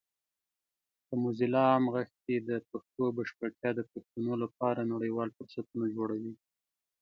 په موزیلا عام غږ کې د پښتو بشپړتیا د پښتنو لپاره نړیوال فرصتونه جوړوي.